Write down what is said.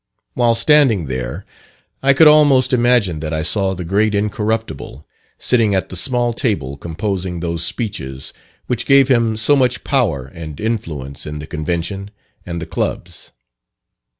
While standing there, I could almost imagine that I saw the great "Incorruptible," sitting at the small table composing those speeches which gave him so much power and influence in the Convention and the Clubs.